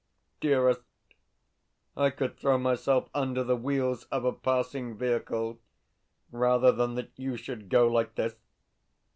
Dearest, I could throw myself under the wheels of a passing vehicle rather than that you should go like this.